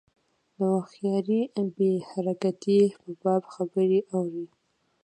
د هوښیاري بې حرکتۍ په باب خبرې اورو.